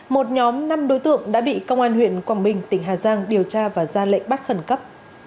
một nhóm năm đối tượng đã bị công an huyện quảng bình tỉnh hà giang điều tra và ra lệnh bắt khẩn cấp